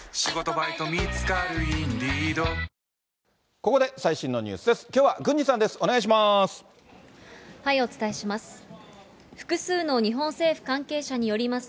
ここで最新のニュースです。